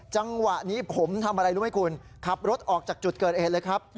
จังหวะนี้ผมทำอะไรรู้ไหมคุณขับรถออกจากจุดเกิดเหตุเลยครับ